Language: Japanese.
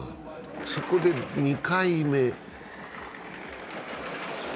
そこで２回目。